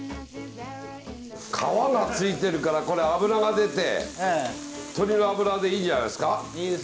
皮が付いているからこれ脂が出て鶏の脂でいいんじゃないですか？